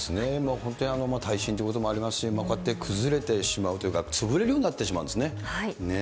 本当に耐震ということもありますし、こうやって崩れてしまうというか、潰れるようになってしまうんですね。